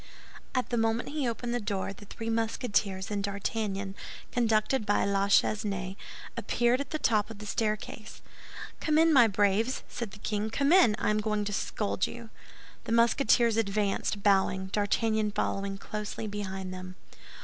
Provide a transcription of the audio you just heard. At the moment he opened the door, the three Musketeers and D'Artagnan, conducted by La Chesnaye, appeared at the top of the staircase. "Come in, my braves," said the king, "come in; I am going to scold you." The Musketeers advanced, bowing, D'Artagnan following closely behind them.